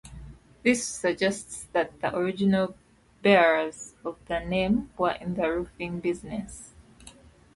This suggests that the original bearers of the name were in the roofing business.